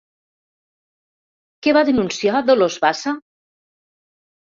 Què va denunciar Dolors Bassa?